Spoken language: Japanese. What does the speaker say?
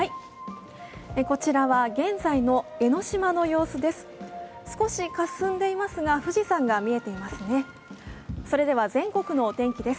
こちらは現在の江の島の様子です。